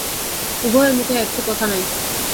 উভয়ের মুখে একটি কথা নাই।